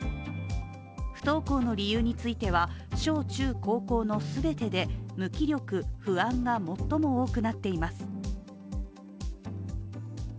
不登校の理由については、小中高校の全てで無気力・不安が最も多くなっています。